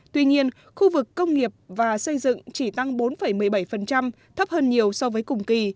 tuy nhiên khu vực công nghiệp và xây dựng chỉ tăng bốn một mươi bảy thấp hơn nhiều so với cùng kỳ